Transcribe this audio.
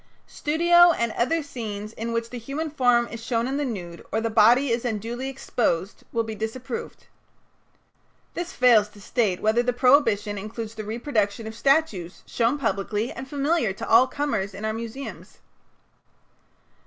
"(7) Studio and other scenes, in which the human form is shown in the nude, or the body is unduly exposed, will be disapproved." This fails to state whether the prohibition includes the reproduction of statues shown publicly and familiarly to all comers in our museums.